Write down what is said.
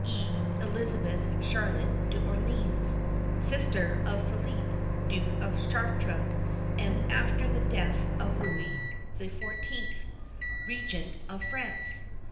e_., Elizabeth Charlotte d'Orleans, sister of Philippe, Duke of Chartres, and, after the death of Louis XIV., Regent of France.